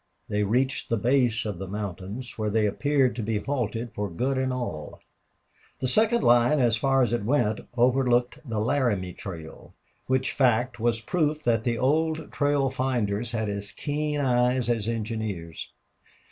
They reached the base of the mountains, where they appeared to be halted for good and all. The second line, so far as it went, overlooked the Laramie Trail, which fact was proof that the old trail finders had as keen eyes as engineers.